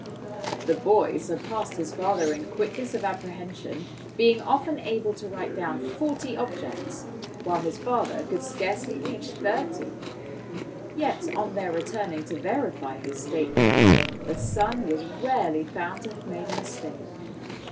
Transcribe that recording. The boy sur passed his father in quickness of apprehension, being often able to write down forty objects, whilst his father could scarcely reach thirty ; yet on their returning to verify his statement, the son was rarely found to have made a mistake.